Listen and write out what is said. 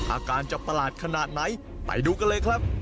อาการจะประหลาดขนาดไหนไปดูกันเลยครับ